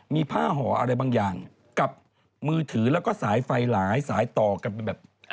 มีผ้าห่ออะไรบางอย่างกับมือถือแล้วก็สายไฟหลายสายต่อกันเป็นแบบ